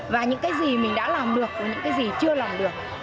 và những cái gì mình đã làm được những cái gì chưa làm được